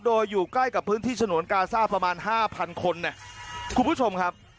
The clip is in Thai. โดยอยู่ใกล้กับพื้นที่ฉนวนกาซ่าประมาณห้าพันคนเนี่ยคุณผู้ชมครับ